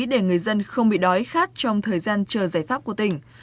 để người dân không bị đói khát trong thời gian chờ giải pháp của tỉnh